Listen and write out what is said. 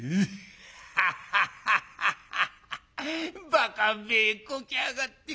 バカべえこきやがってまあ。